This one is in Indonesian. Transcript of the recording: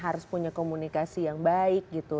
harus punya komunikasi yang baik gitu